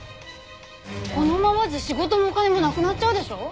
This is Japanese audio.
このままじゃ仕事もお金もなくなっちゃうでしょ？